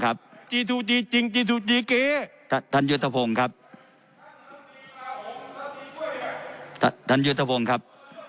ทั้งที่มันไม่ครับครับ